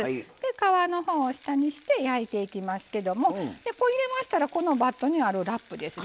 皮のほうを下にして焼いていきますけども入れましたら、バットにあるラップですね。